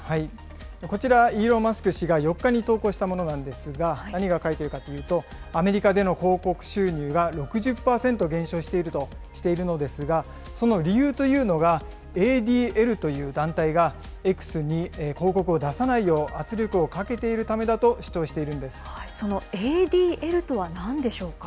こちら、イーロン・マスク氏が４日に投稿したものなんですが、何が書いてるかっていうと、アメリカでの広告収入が６０％減少しているとしているのですが、その理由というのが、ＡＤＬという団体が、Ｘに広告を出さないよう圧力をかけているためだと主張しているんそのＡＤＬとはなんでしょう